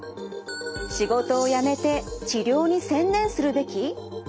仕事を辞めて治療に専念するべき？